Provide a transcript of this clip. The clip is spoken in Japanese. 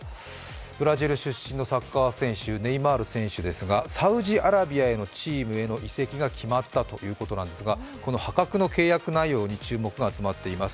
ブラジル出身のサッカー選手、ネイマール選手ですがサウジアラビアのチームへの移籍が決まったということですが破格の契約内容に注目が集まっています。